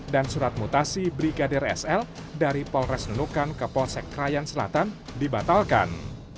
dan surat mutasi brigadir sl dari polres nunukan ke polsek krayan selatan dibatalkan